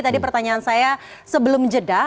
tadi pertanyaan saya sebelum jeda